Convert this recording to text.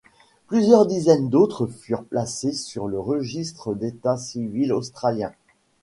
Plusieurs dizaines d'autres furent placés sur le registre d'état civil Australien.